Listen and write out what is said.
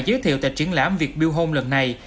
giới thiệu tại triển lãm việt build home lần này